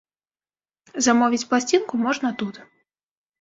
Замовіць пласцінку можна тут.